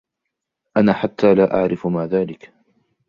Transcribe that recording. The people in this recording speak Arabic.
أنا حتى لا أعرف ما ذلك.